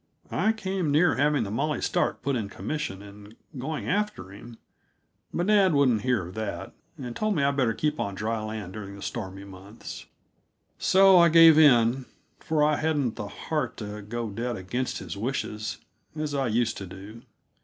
I came near having the Molly Stark put in commission and going after him; but dad wouldn't hear of that, and told me I'd better keep on dry land during the stormy months. So I gave in, for I hadn't the heart to go dead against his wishes, as I used to do.